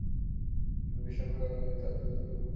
এবং বিশ্বাস করার কারণেই তার দ্রুত রোগমুক্তি ঘটবে।